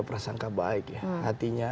persangka baik ya hatinya